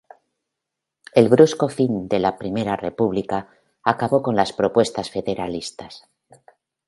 El brusco fin de la Primera República acabó con las propuestas federalistas.